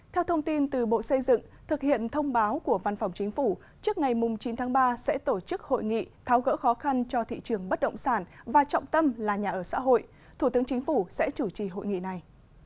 theo thông tin từ bộ xây dựng thực hiện thông báo của văn phòng chính phủ trước ngày chín tháng ba sẽ tổ chức hội nghị tháo gỡ khó khăn cho thị trường bất động sản và trọng tâm là nhà ở xã hội thủ tướng chính phủ sẽ chủ trì hội nghị này